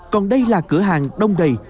còn đây là cửa hàng đông đầy